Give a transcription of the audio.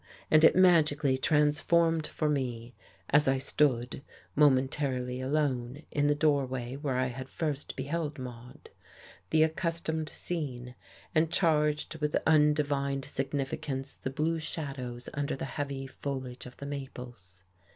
And it magically transformed for me (as I stood, momentarily alone, in the doorway where I had first beheld Maude) the accustomed scene, and charged with undivined significance the blue shadows under the heavy foliage of the maples.